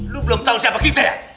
lu belum tahu siapa kita ya